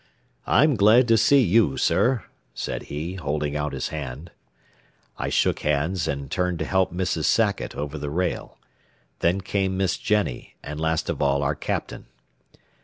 "I'm glad to see you, sir," said he, holding out his hand. I shook hands and turned to help Mrs. Sackett over the rail. Then came Miss Jennie, and last of all our captain.